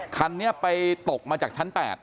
คันนี้ไปตกมาจากชั้น๘